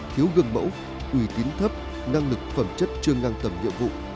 thiếu gương mẫu uy tín thấp năng lực phẩm chất chưa ngang tầm nhiệm vụ